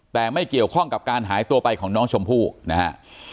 แต่ไม่เกี่ยวข้องกับการหายตัวไปของน้องชมพู่นะฮะ